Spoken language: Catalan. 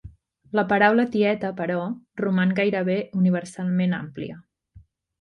La paraula "tieta" però, roman gairebé universalment àmplia.